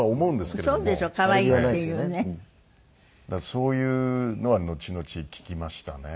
そういうのはのちのち聞きましたね。